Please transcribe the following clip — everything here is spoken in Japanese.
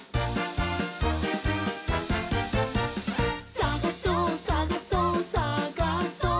「さがそうさがそうさがそう」